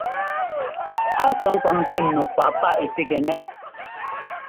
A sɛ́ ŋ́kwaŋtɛ nu kwáꞌ páꞌ ɛ́ pigɛnɛ́.